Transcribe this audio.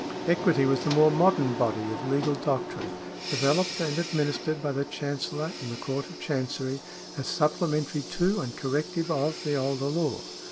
Equity was the more modern body of legal doctrine, developed and administered by the Chancellor in the Court of Chancery as supplementary to, and corrective of, the older law.